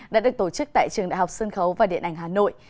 đã được tổ chức tại trường đại học sân khấu và điện ảnh hà nội